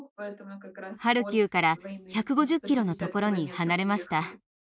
ハルキウから１５０キロのところに離れました。